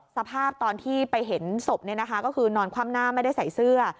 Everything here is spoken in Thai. สภาพตอนที่ไปเห็นศพก็คือนอนคว่ำหน้าไม่ได้ใส่เสื้อ